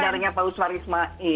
tiga darahnya pak usmar ismail